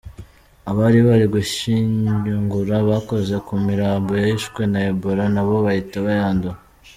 Abari bari gushyingura bakoze ku mirambo yishwe na Ebola nabo bahita bayandura.